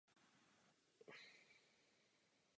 Západě od města se nachází archeologické naleziště.